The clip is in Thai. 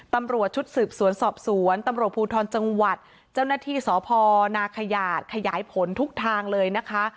ตำรวจชุดสืบสวนสอบสวนตำรวจภูทรจังหวัดเจ้าหน้าที่สพนาขยาดขยายผลทุกทางเลยนะคะ